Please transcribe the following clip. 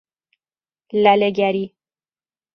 لله گری